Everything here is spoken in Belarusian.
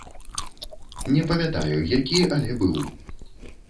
Не памятаю, які, але быў.